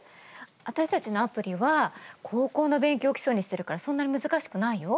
私たちのアプリは高校の勉強を基礎にしてるからそんなに難しくないよ。